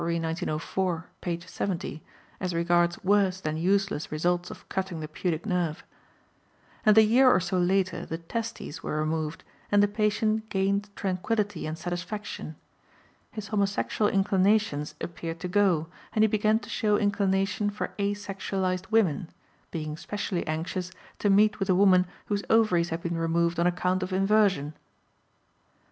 1904, p. 70, as regards worse than useless results of cutting the pudic nerve), and a year or so later the testes were removed and the patient gained tranquillity and satisfaction; his homosexual inclinations appeared to go, and he began to show inclination for asexualized women, being specially anxious to meet with a woman whose ovaries had been removed on account of inversion.